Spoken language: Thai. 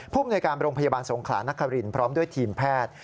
ภูมิในการโรงพยาบาลสงขลานครินพร้อมด้วยทีมแพทย์